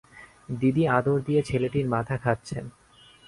দিদি আদর দিয়ে ছেলেটির মাথা খাচ্ছেন।